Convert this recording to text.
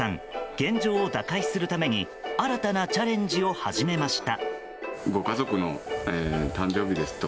現状を打開するために新たなチャレンジを始めました。